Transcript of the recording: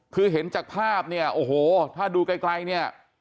คือเห็นจากภาพเนี่ยโอ้โหถ้าดูไกลเนี่ย